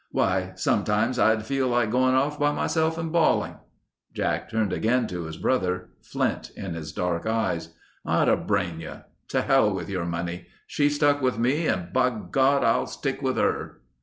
Why, sometimes I'd feel like going off by myself and bawling...." Jack turned again to his brother, flint in his dark eyes. "I ought to brain you. To hell with your money. She stuck with me and bigod, I'll stick with her."